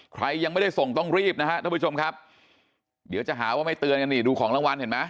ใครยังไม่ได้ส่งต้องรีบนะฮะท่านผู้ชมครับเดี๋ยวจะหาว่าไม่เตือนกันนี่ดูของรางวัลเห็นไหม